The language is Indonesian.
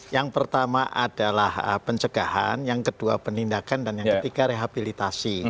yang pertama adalah pencegahan yang kedua penindakan dan yang ketiga rehabilitasi